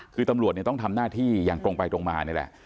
คือตำรวจต้องทำหน้าที่อย่างตรงไปตรงมานี่แหละ